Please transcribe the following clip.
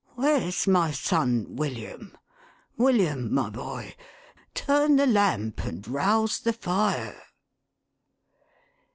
Where's my son William ? Wiliam, my boy, turn the lamp, and rouse the fire